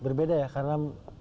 apakah ada perubahan yang berbeda